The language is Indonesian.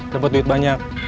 dapat duit banyak